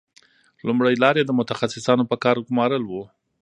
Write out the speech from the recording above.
لومړۍ لار یې د متخصصانو په کار ګومارل وو